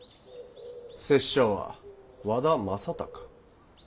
拙者は和田正隆。